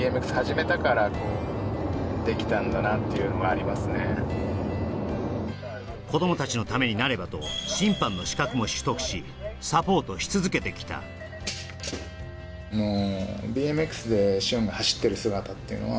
そうですねもう今さらに子どもたちのためになればと審判の資格も取得しサポートし続けてきたまあ